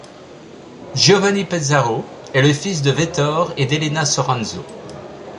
Giovanni Pesaro est le fils de Vettor et d'Elena Soranzo.